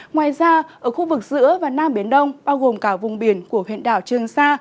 ngoài ra ở khu vực giữa và nam biển đông bao gồm cả vùng biển của huyện đảo trương sa